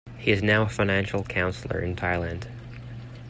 He is now a financial counsellor in Thailand.